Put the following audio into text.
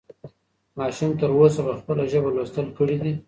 ماشوم تر اوسه په خپله ژبه لوستل کړي دي.